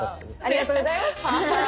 ありがとうございます。